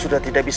belum pernah ada